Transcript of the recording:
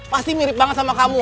pasti mirip banget sama kamu